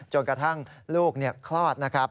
จนกระทั่งลูกคลอดนะครับ